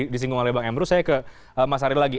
disinggung oleh bang emrus saya ke mas ari lagi